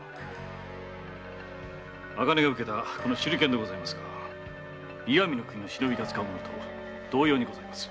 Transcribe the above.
茜が受けたこの手裏剣ですが石見の国の「忍び」が使う物と同様にございまする。